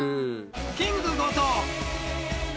キング後藤。